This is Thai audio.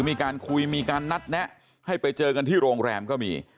มีการคุยมีการนัดแนะให้ไปเจอกันที่โรงแรมก็มี